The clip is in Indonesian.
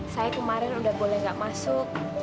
saya kemarin udah boleh gak masuk